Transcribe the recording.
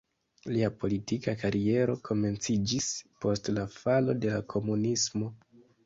Lia politika kariero komenciĝis post la falo de komunismo.